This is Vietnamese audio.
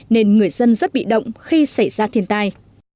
nên người dân rất bị động khi xảy ra thiên tai